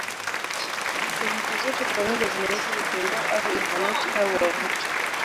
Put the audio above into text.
Tovuti zote pamoja zinaitwa "mtandao" au "Intaneti" au "wavuti".